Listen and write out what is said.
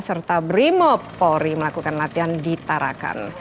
serta brimo polri melakukan latihan di tarakan